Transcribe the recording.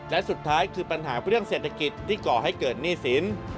และสุดท้ายคือปัญหาเรื่องเศรษฐกิจที่ก่อให้เกิดหนี้สิน